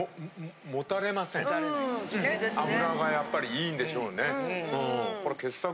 油がやっぱりいいんでしょうね。